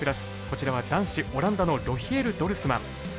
こちらは男子オランダのロヒエル・ドルスマン。